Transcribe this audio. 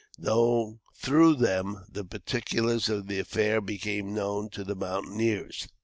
Through them the particulars of the affair became known to the mountaineers.